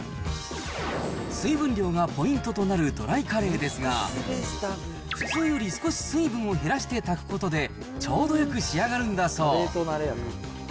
水分量がポイントとなるドライカレーですが、普通より少し水分を減らして炊くことで、ちょうどよく仕上がるんだそう。